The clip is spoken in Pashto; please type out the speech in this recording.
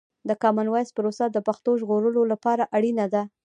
د کامن وایس پروسه د پښتو د ژغورلو لپاره اړینه ده.